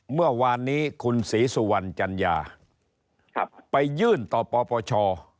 เมื่อวานนี้คุณศรีสุวรรณจัญญาไปยื่นต่อปปช